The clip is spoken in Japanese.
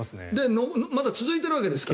まだ続いてるわけです。